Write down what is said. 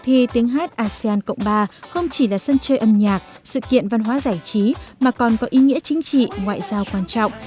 tiếng hát asean cộng ba không chỉ là sân chơi âm nhạc sự kiện văn hóa giải trí mà còn có ý nghĩa chính trị ngoại giao quan trọng